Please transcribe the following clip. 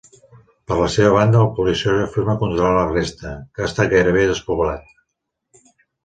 Per la seva banda el Polisario afirma controlar la resta, que està gairebé despoblat.